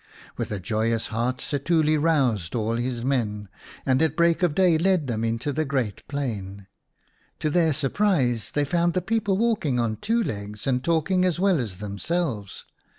With a joyous heart Setuli roused all his men, and at break of day led them into the great plain. To their surprise they found the people walking on two legs and talking as well as themselves.